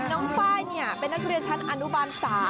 น้องไฟร์นี่เป็นนักเรียนชั้นอนุบาล๓